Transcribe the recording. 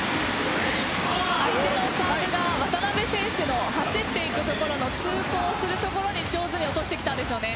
相手のサーブ、渡邊選手の走っていくところの通行するところに上手に落としたんですね。